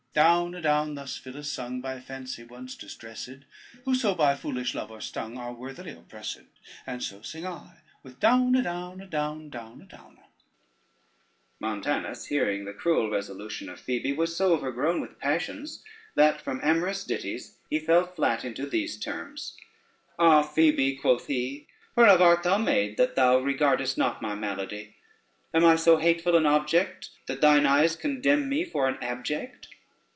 Down a down, Thus Phyllis sung, By fancy once distressed; Who so by foolish love are stung Are worthily oppressed. And so sing I. With down a down, a down down, a down a. [Footnote 1: mate.] Montanus, hearing the cruel resolution of Phoebe, was so overgrown with passions, that from amorous ditties he fell flat into these terms: "Ah, Phoebe," quoth he, "whereof art thou made, that thou regardest not my malady? Am I so hateful an object that thine eyes condemn me for an abject?